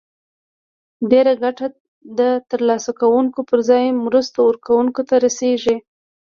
ډیره ګټه د تر لاسه کوونکو پر ځای مرستو ورکوونکو ته رسیږي.